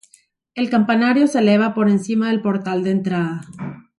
El campanario se eleva por encima del portal de entrada.